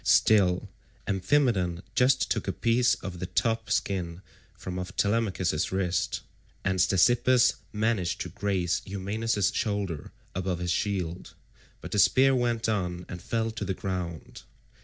Still, Amphimedon just took a piece of the top skin from off Telemachus's wrist, and Ctesippus managed to graze Eumaeus's shoulder above his shield; but the spear went on and fell to the ground.